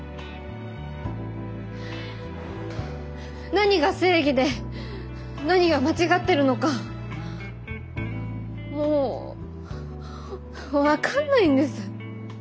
何が正義で何が間違ってるのかもう分かんないんです。